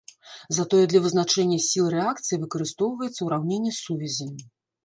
Затое для вызначэння сіл рэакцыі выкарыстоўваецца ураўненне сувязі.